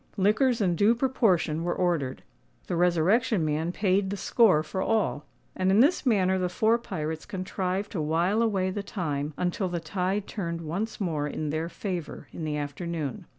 Liquors in due proportion were ordered; the Resurrection Man paid the score for all; and in this manner the four pirates contrived to while away the time until the tide turned once more in their favour in the afternoon.